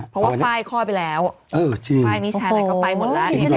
เพราะว่าไฟล์ข้อไปแล้วเออจริงไฟล์นี้แชลไหนก็ไปหมดแล้ว